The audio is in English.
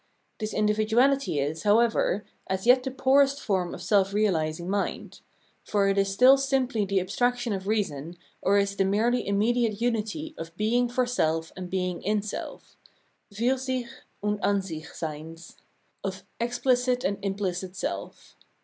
This individu ality is, however, as yet the poorest form of self reahsing mind ; for it is still simply the abstraction of reason, or is the merely immediate unity of being for self and being in self {Fur sich und Ansich seyns) , of ex pUcit and imphcit self.